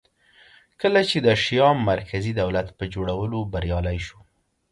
کله چې شیام مرکزي دولت په جوړولو بریالی شو